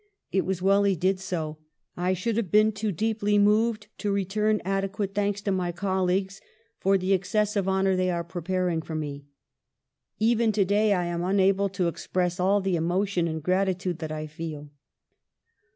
It was well he did so. I should have been too deeply moved to return adequate thanks to my colleagues for the excessive hon our they are preparing for me. Even today I am unable to express all the emotion and grati tude that I feel.''